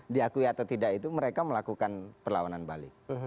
diakui atau tidak itu mereka melakukan perlawanan balik